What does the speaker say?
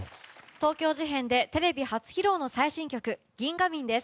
東京事変でテレビ初披露の最新曲「銀河民」です。